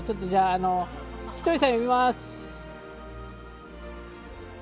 ひとりさん、呼びます。